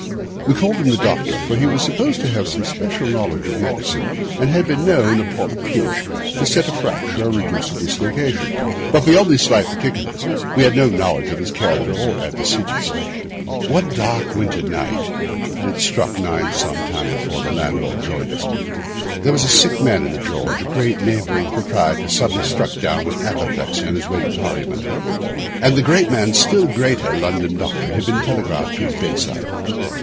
We called him the Doctor, for he was supposed to have some special knowledge of medicine, and had been known, upon a pinch, to set a fracture or reduce a dislocation; but beyond these slight particulars, we had no knowledge of his character and antecedents. One dark winter night—it had struck nine some time before the landlord joined us—there was a sick man in the George, a great neighbouring proprietor suddenly struck down with apoplexy on his way to Parliament; and the great man's still greater London doctor had been telegraphed to his bedside.